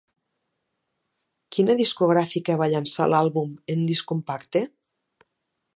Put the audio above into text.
Quina discogràfica va llançar l'àlbum en disc compacte?